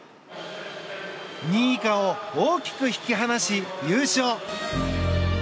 ２位以下を大きく引き離し優勝。